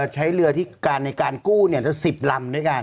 ใช้เรือที่การในการกู้จะ๑๐ลำด้วยกัน